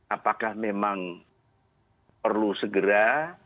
apakah memang perlu segera